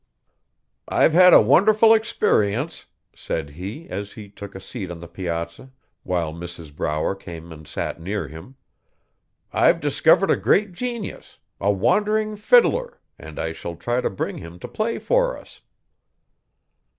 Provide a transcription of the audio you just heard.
'I've had a wonderful experience,' said he as he took a seat on the piazza, while Mrs Brower came and sat near him. 'I've discovered a great genius a wandering fiddler, and I shall try to bring him to play for us.'